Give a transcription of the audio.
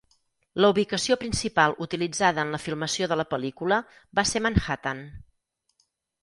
La ubicació principal utilitzada en la filmació de la pel·lícula va ser Manhattan.